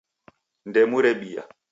Ndemu rebia